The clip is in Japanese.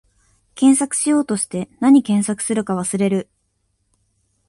検索しようとして、なに検索するか忘れる